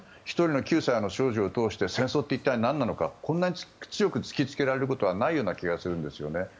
１人の９歳の少女を通して戦争って何なのかを、こんなに強く突きつけられることはないような気がするんですよね。